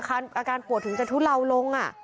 อาการปวดถึงจะทุเลาลง